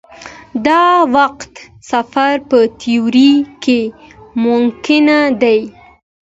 د وخت سفر په تیوري کې ممکن دی.